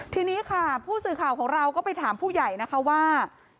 ทีนี้ค่ะผู้สื่อข่าวของเราก็ไปถามผู้ใหญ่นะคะว่า